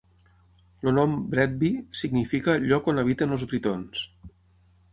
El nom "Bretby" significa "lloc on habiten els britons".